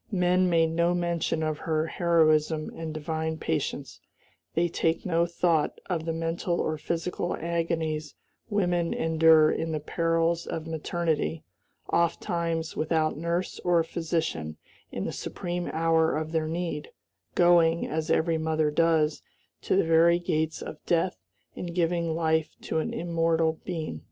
Men make no mention of her heroism and divine patience; they take no thought of the mental or physical agonies women endure in the perils of maternity, ofttimes without nurse or physician in the supreme hour of their need, going, as every mother does, to the very gates of death in giving life to an immortal being!"